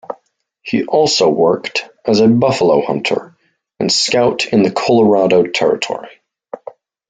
He also worked as a buffalo hunter and scout in the Colorado Territory.